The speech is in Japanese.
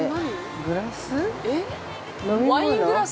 ◆グラス？